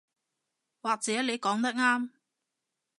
或者你講得啱